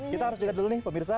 kita harus jeda dulu nih pemirsa